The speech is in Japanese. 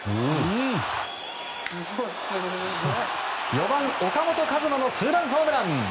４番、岡本和真のツーランホームラン！